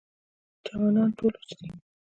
چمنان ټول وچ دي.